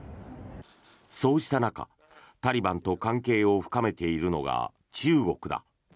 そうした中タリバンと関係を深めているのが中国だ。